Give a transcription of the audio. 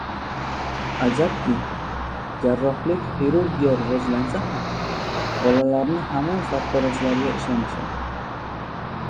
Ajabki, jarrohlik xirurgiya rivojlansa ham, bolalarni hamon sartaroshlarga ishonishadi.